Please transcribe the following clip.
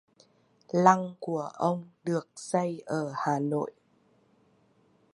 lăng của ông được xây ở Hà Nội